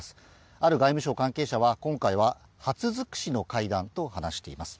ある外務省関係者は今回は初尽くしの会談と話しています。